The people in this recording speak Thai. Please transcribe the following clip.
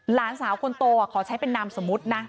หลานสาวคนโตขอใช้เป็นนามสมมุตินะ